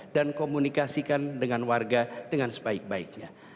dan komunikasikan dengan warga dengan sebaik baiknya